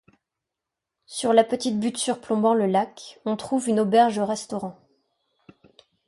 Sur la petite butte surplombant le lac, on trouve une auberge-restaurant.